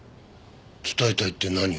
伝えたいって何を？